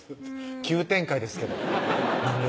急展開ですけどなんで？